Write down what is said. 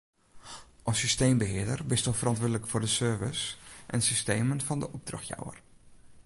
As systeembehearder bisto ferantwurdlik foar de servers en systemen fan de opdrachtjouwer.